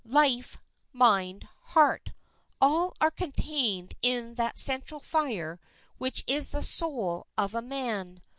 Life, mind, heart, all are contained in that central fire which is the soul of a man.